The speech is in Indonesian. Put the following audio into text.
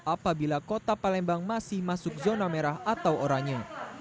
apabila kota palembang masih masuk zona merah atau oranye